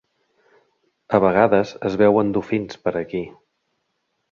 A vegades es veuen dofins per aquí.